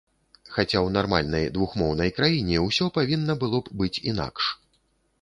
Хаця ў нармальнай двухмоўнай краіне ўсё павінна было б быць інакш.